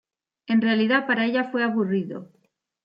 En realidad, para ella fue aburrido.